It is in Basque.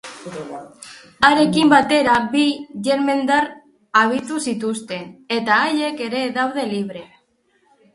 Harekin batera bi yemendar bahitu zituzten, eta haiek ere daude libre.